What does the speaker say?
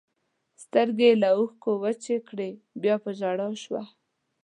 سترګې یې له اوښکو وچې کړې، بیا په ژړا شوه.